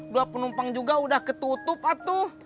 dua penumpang juga udah ketutup aduh